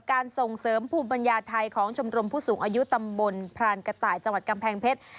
ส่งเสริมภูมิปัญญาไทยของชมรมผู้สูงอายุตำบลพรานกระต่ายจังหวัดกำแพงเพชร